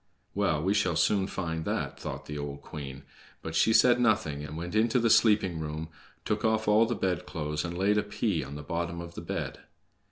"Well, we shall soon find that!" thought the old queen. But she said nothing and went into the sleeping room, took off all the bedclothes, and laid a pea on the bottom of the bed.